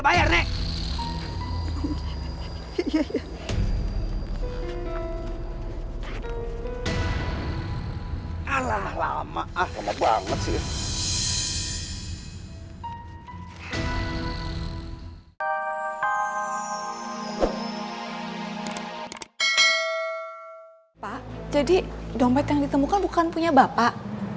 pak jadi dompet yang ditemukan bukan punya bapak